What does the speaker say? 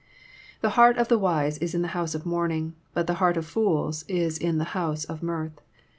—" The heart of the wise is in the house of mourning, but the heart of fools is in the house of mirth."